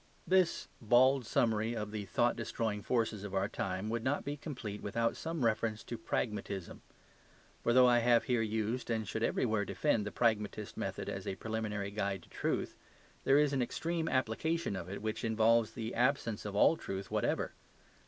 This bald summary of the thought destroying forces of our time would not be complete without some reference to pragmatism; for though I have here used and should everywhere defend the pragmatist method as a preliminary guide to truth, there is an extreme application of it which involves the absence of all truth whatever.